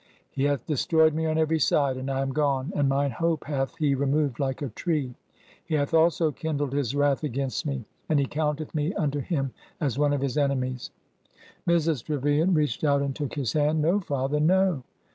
He hath destroyed me on every side, and I am gone : and mine hope hath He removed like a tree. '' He hath also kindled his wrath against me, and He counteth me unto Him as one of His enemies.'' Mrs. Trevilian reached out and took his hand. No, father, no